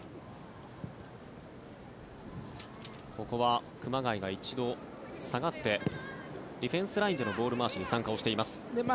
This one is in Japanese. ここは熊谷が一度下がってディフェンスラインでのボール回しに参加しています。